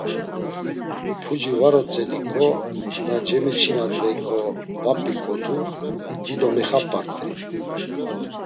Puci var otzediǩo, na cemiçinadveyǩo va p̌iǩotu dido mixap̌art̆ey.